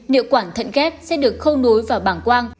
liệu quản thận ghép sẽ được khâu nối vào bảng quang